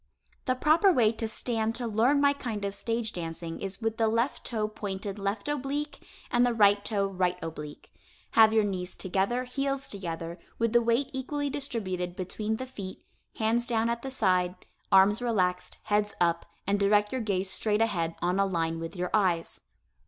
The proper way to stand to learn my kind of stage dancing is with the left toe pointed left oblique, and the right toe right oblique. Have your knees together, heels together, with the weight equally distributed between the feet, hands down at the side, arms relaxed, heads up and direct your gaze straight ahead on a line with your eyes.